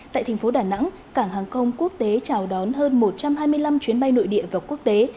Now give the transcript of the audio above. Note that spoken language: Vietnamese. tại thành phố đà nẵng cảng hàng không quốc tế chào đón hơn một trăm hai mươi năm chuyến bay nội địa và quốc tế